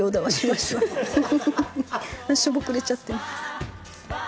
しょぼくれちゃってる。